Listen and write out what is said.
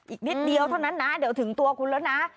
อีกนิดเดียวเท่านั้นนะเดี๋ยวถึงตัวคุณแล้วนะ